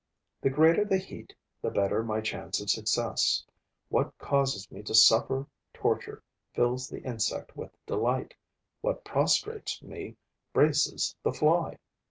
The greater the heat, the better my chance of success. What causes me to suffer torture fills the insect with delight; what prostrates me braces the fly.